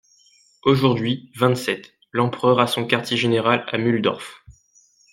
Aujourd'hui vingt-sept, l'empereur a son quartier-général à Mulhdorf.